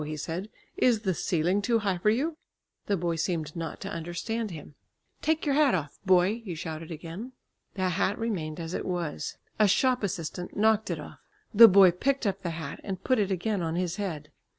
he said, "is the ceiling too high for you?" The boy seemed not to understand him. "Take your hat off, boy!" he shouted again. The hat remained as it was. A shop assistant knocked it off. The boy picked up the hat, and put it again on his head.